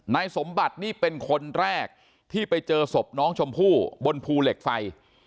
นายสมบัตินี่เป็นคนแรกที่ไปเจอศพน้องชมพู่บนภูเหล็กไฟ